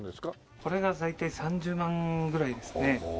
これが大体３０万ぐらいですね。